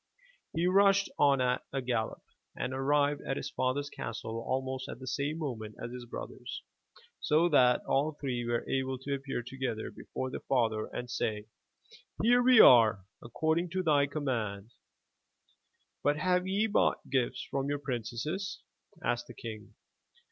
He rushed on at a gallop and arrived at his father's castle almost at the same moment as his brothers, so that all three were able to appear together before their father, and say: '*Here we are, according to thy command.'* "But have ye brought gifts from your princesses?'' asked the king.